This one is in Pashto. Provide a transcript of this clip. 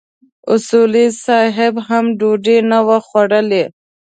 اصولي صیب هم ډوډۍ نه وه خوړلې.